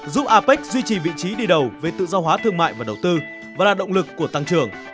giúp apec duy trì vị trí đi đầu về tự do hóa thương mại và đầu tư và là động lực của tăng trưởng